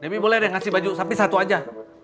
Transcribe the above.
demi boleh deh ngasih baju sapi satu aja